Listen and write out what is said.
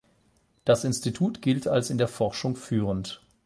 Das Institut gilt als in der Forschung führend.